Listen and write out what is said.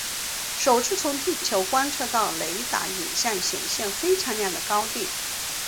首次从地球观测到的雷达影像显示非常亮的高地。